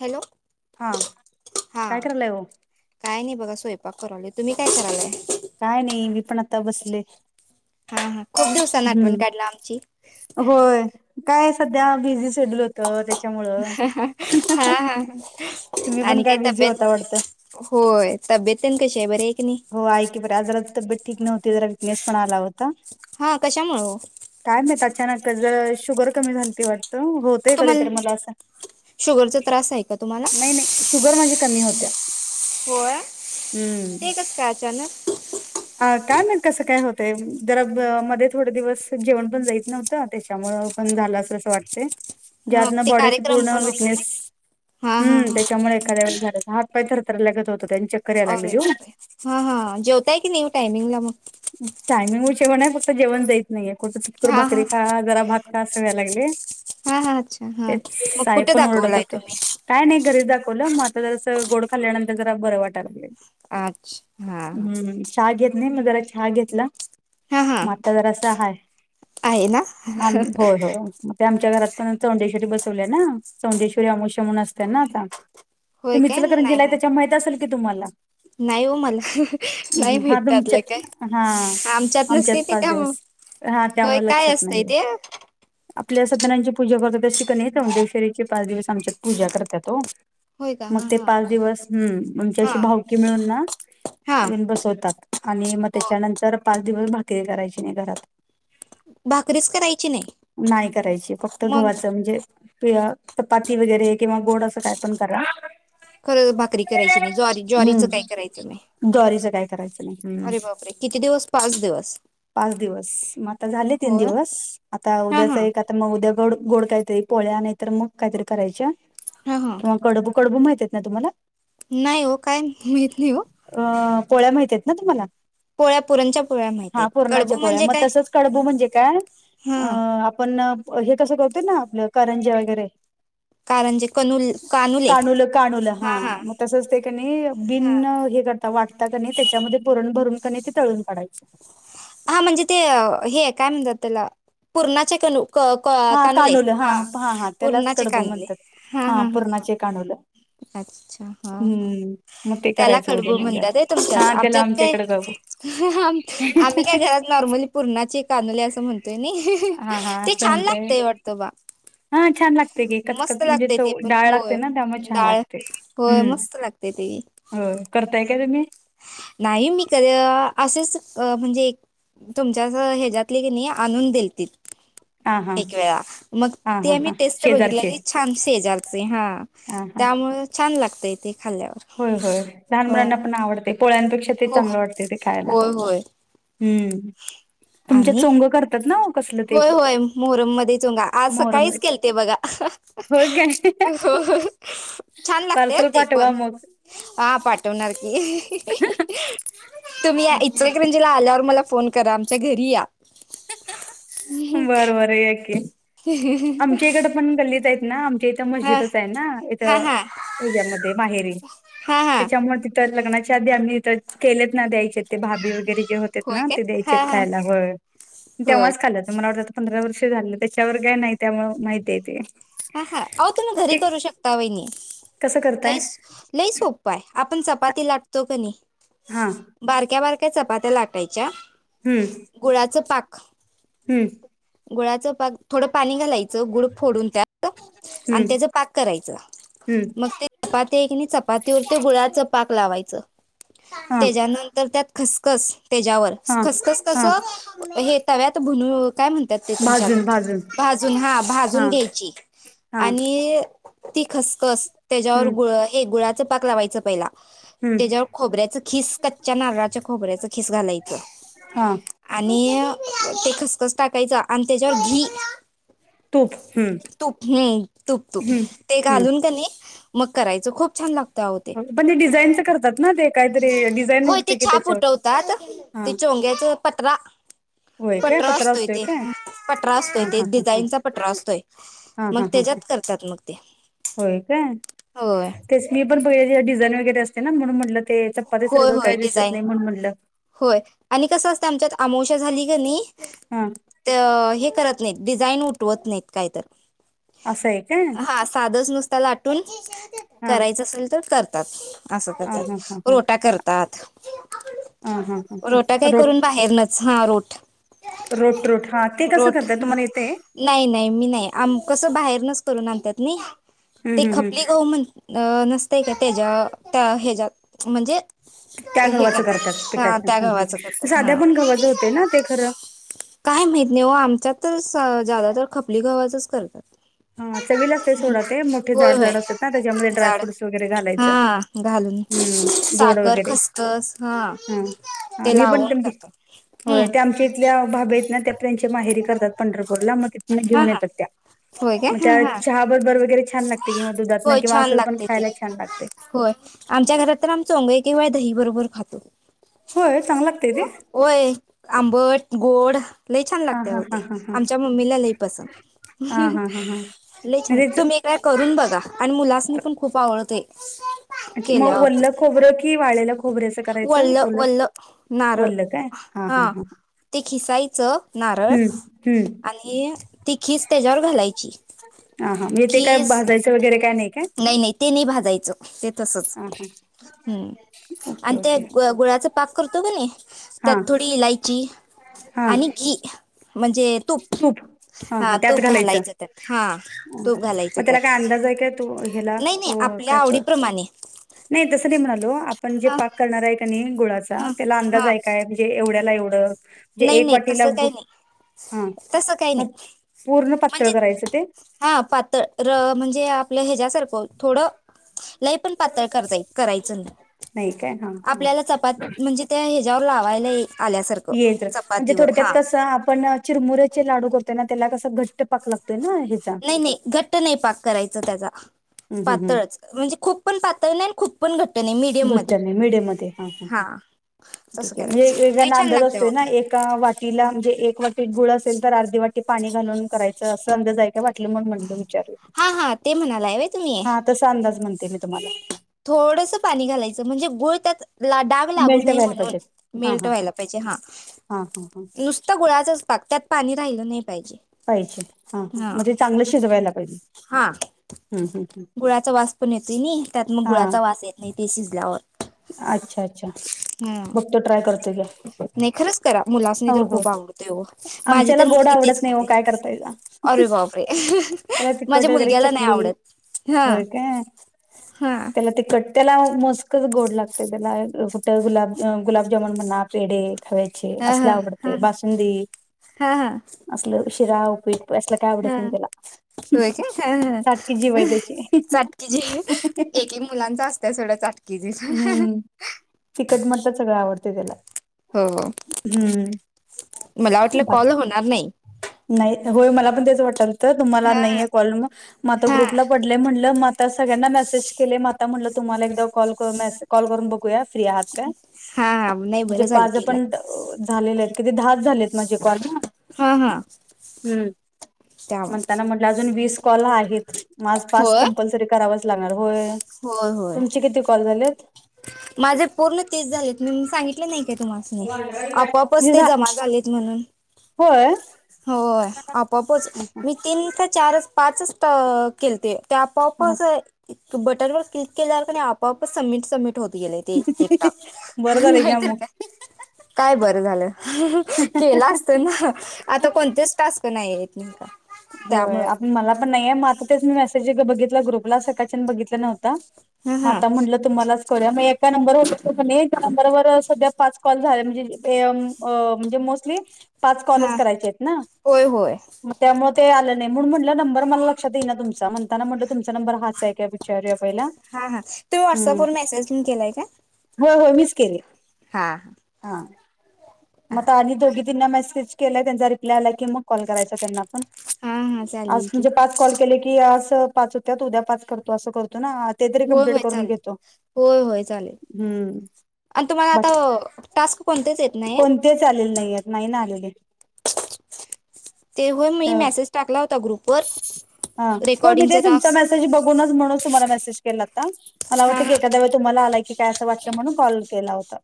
Hello! हा हा काय करायला आहेव. काय नाही बघा स्वयंपाक करवले तुम्ही काय करालय? काय नाही मी पण आता बसले. हा हा खूप दिवसां आठवण हम्म काढला आमची. होय काय सध्या बिझी शेड्यूल हो. तर त्याच्यामुळं हा हा हा तुम्ही पण आणि काय बिझी तब्येत होता वाटत? होय तब्येतन कशी आहे बर आहे क नाही? हो की बर जरा तब्येत ठीक नव्हती जरा विकनेस पण आला होता. हा कशामुळे हो काायम नाही अचानक जर शुगर कमी झाली ते वाट तर होतय कधी तररी तुम्हाला मला असं शुगरचा त्रास आहे का तुम्हाला नाही नाही. शुगर म्हणजे कमी होत्या. होय हम्म ते कस काय? अ काय ना कसं काय होतय जरा मध्ये थोडे दिवस जेवण पण जायत नव्हतं त्याच्यामुळ पण झालं अस असं वाटते. हा ज्यातन ते बॉडीची कार्यक्रम पूर्ण पण होत ना विकनेस हा हा हम्म हा त्याच्यामुळे क हापतरत लगत होतो. अरे बा हा हा जेवताय की न टायमिंगला मग टायमिंग विषेवण आहे फक्त जेवण जाईत नाहीे कुठं चटकर हा हा भाकरी खा जरा भा कड सव्यालागली. हा हा अच्छा हा मग कुठे ओरडत दाखवलाय होते तुम्ही काय नाही घरीच दाखवलं मग आता जर असं गोड खाल्ल्यानंतर जरा बरं वाटयला लागेल. अच्छा हा चहा घेत नाही मी जरा चहा घेतला हा हा मग आता जरा अस हाय. आहे ना ग ते आमच्या घरात पण चौंडेश्वरी बसवले ना चौंडेश्वरी अमष म्हून असत ना आता ते होय काय मिचलकरण नाही जीला आहे मग त्याच्या माहत असेल की तुम्हाला नाही हो मला नाही हम्म, हा तुमच्यात माहिितततलं काय हा आमच्यात नसतेेत पाच का मग दिवस हा होय त्यामुळे काय लक्षात असतय नाहीये ते आपल्या सदनाची पूजा करतो त्या शिक नाही य मुंडे शरीची पाच दिवस आमच्यात पूजा करतात हो. का मग हा ते हा पाच दिवस हम्म हा आमच्याशी भावकी मिळून ना. हा येऊन बसवतात आणि मग हो त्याच्यानंतर पाच दिवस भाकीरी करायची नाही घरात भाकरीच करायची नाही नाही करायची फक्त मग गवा्हाच म्हणजे प चपाती वगैरे किंवा गोड असं काय पण करा खरं भाकरी करायची नाही ज्वारी ज्वारीच काही करायचं नाही. स्टॉरीच काय करायचं नाही हम्. अरे बापरे किती दिवस पाच दिवस पाच दिवस मग आता झाले तीन होय दिवस आता हा हा उद्याचा एक आता मग उद्या गोड गोड काहीतरी पोळ्या नाही तरर मग काहीतरी करायच्या ह ह क कडू कडब माह आहेत ना तु्हाला नाही हो काय माहीत नाही हो. अ पोळ्या माहिती आहेत ना तुम्हाला पोळ्या पुरणच्या पोळ्या माहित हा आहेत पूर्णाच्या कडबू पोळ्या म्हणजे मग काय तसच कडबू म्हणजे काय? हा अं आपण हे कसं करतोय ना आपलं करंजे वगैरे कारंजे कनुल कानुले कानू कानूल हा मग तसच तेणी बि हा हे कर. वाटता क त्याच्यामध्ये पुरण भरून क ते तळून काढायची. हा म्हणजे ते हे काय म्हणतात त्याला पूर्णाच्या का? हा कानुले काणूलं हा हा त्यालाच पूर्णाचे कडबू कानुले म्हणतात हा हा ह पुरणाचे काणूलं अच्छा हा ह हम्म मग ते त्याला करायचं उद्या खडबू नियोजन म्हणतात आहे तुमच्यात हा त्याला आमच्यात काय? आमच्याकडे बघू आम्ही काय घरात नॉर्मली पूर्णाचे कानोले असं म्हणतोय न हा हा अस असं उते. हा छान लागते की मस्त कचकत म्हणजे लागतंय तो ते पण डाळ लागते होय ना त्यामुळे छान लागते हम्म. ते ते हो करताय का तुम्ही? नाही मी कध असंच. म्हणजे तुमच्या हच्यातले की नाही आणून देतील. हा हा एक वेळा मग... हा ते हा आम्ही, हा टेस्ट शेजारचे बघितलेले... छान शेजारचे... हा... हा हा त्यामुळे छान लागतंय ते खाल्ल्यावर होय होय... लहान हो मुलांना पण आवडते... पोळ्यांपेक्षा ते हो चांगलं वाटते, ते खायला होय होय हम्म... तुमच्यात आणि सोंगं करतात ना वो कसलं ते होय होय... मोहरम मध्ये चुंगा... आज मोहरम सकाळीच केलते बघा होय काय हो... छान लागतंय पार्सल ते पाठवा पण मग हा... पाठवणार की... तुम्ही या इचलकरंजी ला... आल्यावर मला फोन करा... आमच्या घरी या बरं बरं... ये की.... आमच्या इकडं पण गल्लीत हेत ना ते इथं हा मस्जिदच ए ना... हा इथं... हा त्याच्यामध्ये माहेरी... हा हा त्याच्यामधे तर लग्नाच्या आधी... आम्ही इथं... केलेत ना... द्यायचेत ते भाभी वगैरे जे होतेत होय ना... काय ते द्यायचे हा हा खायला.. होय मी होय तेव्हाच खाल्लं होतं... तर मला वाटतं पंधरा वर्ष झालं... त्याच्यावर काय नाही... त्यामुळे माहितीए ते हा हा.. आवो... तुम्ही घरी ते करू शकता वैनी... कसं करताय लई.. लई सोपं पाय... आपण चपाती लाटतो क नई हां. बारक्या बारक्या चपात्या लाटायच्या हुं. गुळाचं पाक हूं गुळाचं पाक... थोडं पाणी घालायचं.. गुड फोडून त्यात तूप आणि हम्म त्याचं पाक करायचं... हम्म मग ते चपाती ए की नई... चपातीवर... ते गुळाचं पाक लावायचं... हा त्याच्यानंतर त्यात खसखस... त्याच्यावर... हा खसखस हा कसं... हे तव्यात भुनून.. काय म्हणत तात.. ते तुमच्याकडं... भाजून भाजून भाजून... हा हा भाजून घ्यायची... हा आणि तीळ, ती खसखस... त्याच्यावर हम्म गुळ... हे गुळाचं पाक लावायचं पहिला हम्म त्याच्यावर खोबऱ्याचं खीस... कच्च्या नारळाच्या खोबऱ्याच खीस घालायचं हा आणि... ते खसखस टाकायचं आणि त्याच्यावर घी तूप... हूं तूप... हूं... तूप तूप... ते घालून... त्यानी मग करायचं... खूप छान लागतं अवो ते पण, ते डिझाईनचं करतात ना ते? काहीतरी डिझाईन होय... ते उठते की छाप त्याच्यावर उठवतात... हा ते चोंग्याचं पटरा होय काय पटरा पत्रा असतोय ते... काय पटरा असतोय हा ते... हा हा हा डिझाईनचा पटरा असतोय हा मग, हा हा हा त्याच्यात करतात मग ते होय काय? होय तेच... मी पण [unintelligible] डिझाईन वगैरे असते ना... म्हणून म्हटलं ते चपात्या होय सारखं काय होय दिसत डिझाईन नाई म्हणून म्हटलं होय... आणि कसं असतं... आमच्यात आमाोशा झाली का नई हा. त... हे करत नाहीत. डिझाईन उठवत नाईत... काय तर असं आहे काय हा... साधंच नुसतं लाटून... हा करायचं असेल तर कर. तात... आसं हा हा करतात... हा रोटा करतात हं. हं रोटा काय करून हं [unintelligible] बाहेरनच हा रोट रोट... रोट... हा... ते कसं करताय.. तुम्हाला येतंय? नाई.. नाई... मी नाई... आम... कसं बाहेरनच करून आणत्यात नई... हम्म ते हम्म खपली हम्म गहू म्हण अ... नसतंय का त्याच्या... त्या हच्यात म्हणजे त्या हे गव्हाचं करतात, हा पिठाचं.... त्या हूं हूं... गव्हाचं पण करतात साध्या हा पण गव्हाचं होतं ना ते खरं काय माहित नाई वं... आमच्यात तर... स... ज्यादा तर खपली गव्हातच करतात. हा... चवीला असतं सोडा ते... मोठे होय जाड होय जाड असतात ना... त्याच्यामध्ये जाड ड्रायफ्रूट्स वगैरे घालायचं हा घालून... हम्म गोड साखर वगैरे खसखस... हा हा... ते मी पण लावून करते... करतो होय हम्म ते आमची ल्या भाभी आहेत ना त्या त्यानंचया माहेरी करतात पंढरपूरला मग तिथ हा घेऊन हा येतात त्या होय काय मग हा त्या हा चहा बरोबर वगैरे छान लागतय कि दुधातन होय किंवा छान असल पण लागते ते खायला छान लागते. होय आमच्या घरात तर आम चोंगई किंवा दही बरोबर खातो. होय चांगला लाग होय आंबट, गोड लई छान हा लागतेय हा ओ हा ते. हा हा आमच्या मम्मीला लय पसत हा हा हा हा लय छान म्हणजेच तुम्ही करून बघा आणि मुलासनी पण खूप आवडतय. अ् मग वल्लं खोबरं कि वाळेला खोबरं असं करायचं ओलं ळ वल्ल काय हा हा हा ते खिसायच नारळ हम्म हम्म आणि ती खीस त्याच्यावर घालायची. ह ह हा म थे काय खीस भाजायचं वगैरे काय नाही काय? नाही ते नाही भाजायचं ते तसच हम्म ओके आणि त्या ओके गु गुळाचा पाक करतो कनी हा त्यात थोडी इलायची हा आणि घी म्हणजे तूप हा तूप घालायचं त्यात हा तूप अहं. घालायचं मग त्यात. त्याला काय अंदाज आहे काय तू ह्याला नाही नाही अ, आपल्या काय प- आवडीप्रमाणे. नाही तस नाही म्हणालो आपण जे हा पाक करणार आहे कनी गुळाचा हा त्याला अंदाज हा हाय काय? एवढ्याला एवढं जे एक वाटीला हा तस काही नाही मग पूर्ण पातळ म्हणजे करायचं ते हा पातळ र म्हणजे आपलं ह्याच्यासारखं थोडं लय पण पातळ करता करायचं नाही नाही काय हा हा आपल्याला चपात म्हणजे त्या ह्याच्या्यावर लावायला आल्यासारखं येेत म्हणजे चपातीवर थोडक्यात हा कसं आपण चिरमुऱ्याचे लाडू करतोय ना त्याला कसं घट्ट पाक लागतय ना. ह्याचा नाही नाही घट्ट नाही पाक करायच त्याचा हम्म हम्म हम्म पातळच. म्हणजे खूप पण पातळ नाही खूप पण घट्ट नाही मीडियम घट्ट मध्ये नाय मिडेयम मध्ये हा हा हा तसं ठीके म्हणजे करायचं नाही एकाना छान अंदा लागते असतोय हो ना ते एक एका वाटीला म्हणजे एक वाटीत गुळ असेल तर अर्धी वाटी पाणी घालून करायचं असं अंदाज हाय का वाटली म्हणून म्हटल मी. हा हा ते म्हणालाय होय तुम्ही हा तसा अंदाज म्हणते मी तुम्हाला थोडंसं पाणी घालायचं म्हणजे गुळ त्यात डाग लागू मेल्ट नये व्हायला म्हणून पाहिजे हां मेलट हां हां व्हायला पाहिजे हा हां हां हां नुसत गुळाचच पाक त्यात पाणी राहिलं नाही. पाहिजे हां हां म्हणजे चांगलं शिजवायला पाहिजे हा या गुळाचा वास पण येतोय नाही त्यात मग हां गुळाचा वास येत नाही ते शिजल्यावर. अच्छा अच्छा हम बघतो ट्राय करतो घ्या नाही खरंच करा मुलासनी तर हो हो खूप आवडत ओ. माझी आमच्याला तर गोड मुलगी तेच आवडत नाही हो खाते काय करतायचा अरे बापरे त्याला तिखट माझ्या वगैरे मुलग्याला नाही चकली आवडत हा होय काय हा त्याला ते कट्ट्याला मस्कच गोड लागते त्याला कुठं गुलाब गुलाबजामुन म्हणा पेढ खावायचे असलल आवडतय बासुंदी हा हा असलं शिराव उपीठ असलं काय आवडत नाही त्याला होय सारखी जीव आहे त्याची काटकी जे एक मुलांचा असत सोडा जीभ. हम्म तिकट म्हणता सगळं आवडत त्याला हो हम्म मला वाटलं कॉल बाकी होणार नाही. नाही होय मला पण तेच वाटल तर तुम्हाला हां, नाहीे कॉल मग म आता हां. ग्रुपला पड म्हटलं म सगळ्यांना मेसेज केले म म्हट तुम्हाला एक कॉल कॉल करून ब फ आहात का हां, नाही बरं झालं म्हण केला. पण झा किती धास झालेत माझे कॉर् हा हा ह मग त्यांना म्हटलं अजून वीस कॉल आहेत माझ पास होय? कंपल्सरी करावाच लागणार होय होय, होय. तुमची किती कॉल झालेत. माझे पूर्ण तेज झाले मी सांगित नाही का तुम आपपच हे ते झा जमा झालेत म्हणून. होय होय आपापच अ मी तीन चार पाचच केलते त्या पॉप हा. बटन वर क्लिक केल्यावर नाही आपाआप समिट समिट. होत गेले ते एकटा बरं झालं घ्या नाहीत का? मग काय बरं झालं केलं असत ना. आता कोणतेच टास्क नाही आहेतेत नाहीता हो आप मला पण नाही आहे मात्र तेच मी मेसेज बघितला ग्रुपला सकाळच्यान बघितलं नव्हता. ह हा माता म्हणलं तुम्हालाच करूया मग एका नंबरवर त्या नंबरवर सध्या फट कॉल झाला म्हणजे प एम अ म्हणजे मोस्टली पाच कॉलेज हा करायचे आहेत ना होय होय मग त्यामुळे ते आलं नाही म्हणून म्हटलं नंबर मला लक्षात येई ना तुमचा म्हणताना म्हटलं तुमचा नंबर हाच आहे का चार पहिला हा हा तुम्ही व्हॉट्सअप वर मेसेजन केलाय का हो हो मिीस केली हां हा मता आणि जोग ् क कराय हा हा चालेल की कॉल के की अस पाच होत्या उद्या पाच करतो असं करतो ना ते तरी होय कंप्लीट होय करून चालेल घेतो होय होय चालेल हम्म आणि तुम्हाला बघ आता टास्क कोणतेच येत नाही चालेल नाही नाही नाही आलेले ते होय मी मेसेज टाकला होता ग्रुप. हा हो मी ते तुमच्या टास्क मेसेज बघूनच म्हणून. [inaudible] हा हा काय असं वाटलं म्हणून कॉल केला होता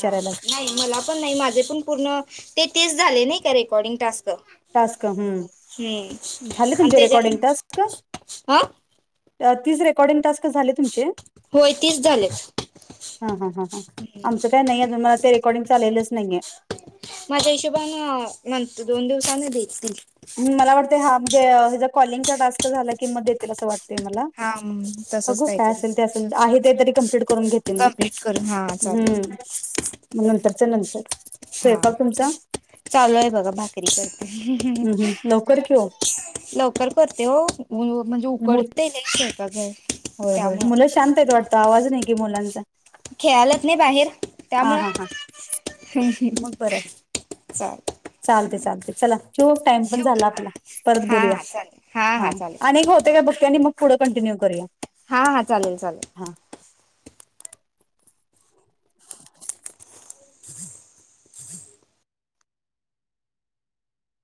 हा नाही मला पण नाही माझे पण पूर्ण ते तेच झाले नाही. का रेकॉर्डिंग टास्क? टास्क ह हम्म झाले आणि तुमचे रेकॉर्डिंग त्याच्यान टास्क. हा तीच रेकॉर्डिंग टास्क झाले तुमचे. होय तिस झाले. हा हा ह ह आमचं काय नाही अजून मला ते रेकॉर्डिंग चालेलंच नाहीये. माझ्या हिशोबान म्हणत दोन दिवसाने देेततील. मला वाटतं हा म्हणजे हिचा कॉलिंगचा टास्क झाला कि मग देतील असं वाटत. ते मला हा तसच अग काय काहीतरी असेल ते असेल आहे ते तरी कमप्लीट करून घेते मग? वट करून हा चालेल. हम्म मग नंतरच्या नंतर. हा स्वयंपाक तुमचा चालू आहे बघा भाकरी कर. हम्म हम्म लवकर कि ओ लवकर करते हो म्हणजे मु उकडत नाही शर का? होय हो मुलं शांत येत वाटतो आवाज नाही की मुलांचा. खेळालच नाही बाहेर हा त्यामुळं हा हा मग बरं आहे चा चालते चालते चला जो टाइम पण झाला का आपला परत हा बोलूया हा चालेल हा. चालेल अक होते काय बक्क्यांनी मग पुढं कंटिन्यू करूया. हा हा चालेल चालेल. हा